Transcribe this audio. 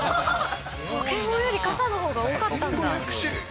ポケモンより傘のほうが多かったんだ。